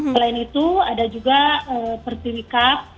selain itu ada juga perpikir cup